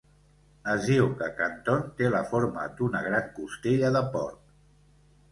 Es diu que Kanton té la forma d'una gran costella de porc.